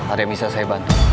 ada yang bisa saya bantu